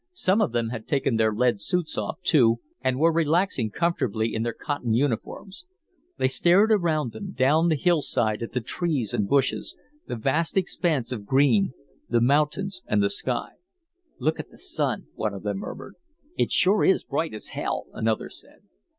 Some of them had taken their lead suits off, too, and were relaxing comfortably in their cotton uniforms. They stared around them, down the hillside at the trees and bushes, the vast expanse of green, the mountains and the sky. "Look at the Sun," one of them murmured. "It sure is bright as hell," another said.